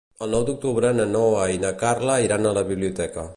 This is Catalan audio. El nou d'octubre na Noa i na Carla iran a la biblioteca.